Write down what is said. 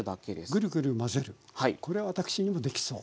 これは私にもできそうです。